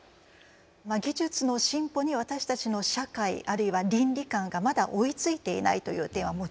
技術の進歩に私たちの社会あるいは倫理観がまだ追いついていないという点はもちろんあります。